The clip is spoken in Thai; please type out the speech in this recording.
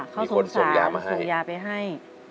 มีคนส่งยามาให้